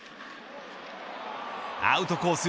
アウトコース